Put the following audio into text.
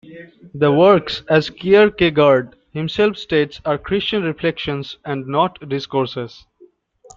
The "Works" as Kierkegaard himself states are Christian reflections and not discourses.